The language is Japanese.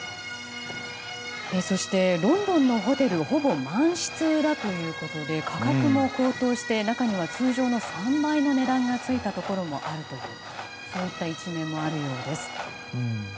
そして、ロンドンのホテルはほぼ満室だということで価格も高騰して中には通常の３倍の値段がついたところもあるというそういった一面もあるようです。